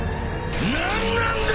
何なんだ